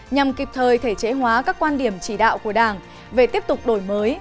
nhằm kịp thời thể chế hóa các quan điểm chỉ đạo của đảng về tiếp tục đổi mới